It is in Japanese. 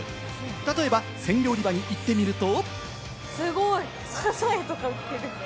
例えば鮮魚売り場に行ってみると。